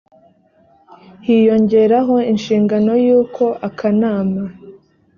hiyongeraho inshingano y uko akanama